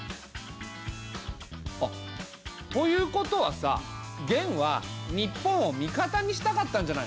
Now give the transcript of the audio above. あっということはさ元は日本を味方にしたかったんじゃないの？